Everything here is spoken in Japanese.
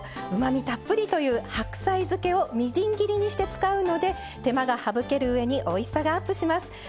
うまみたっぷりという白菜漬けをみじん切りにして使うので手間が省けるうえにおいしさがアップします。